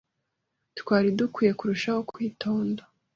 Twari dukwiye kurushaho kwitonda.